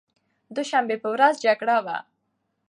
دوشنبې په ورځ جګړه وه.